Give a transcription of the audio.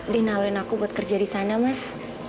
dia nawarin aku buat kerja di sana mas